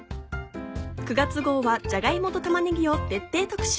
９月号はじゃが芋と玉ねぎを徹底特集。